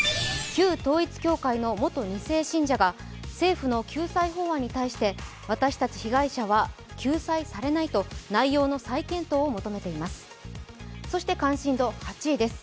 旧統一教会の元２世信者が政府の救済法案に対して私たち被害者は救済されないと内容の再検討を求めています。